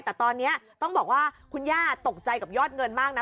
แต่ตอนนี้ต้องบอกว่าคุณย่าตกใจกับยอดเงินมากนะ